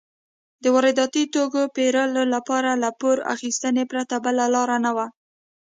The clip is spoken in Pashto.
د وارداتي توکو پېرلو لپاره له پور اخیستو پرته بله لار نه وه.